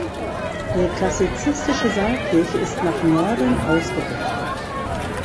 Die klassizistische Saalkirche ist nach Norden ausgerichtet.